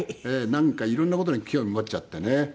なんか色んな事に興味持っちゃってね。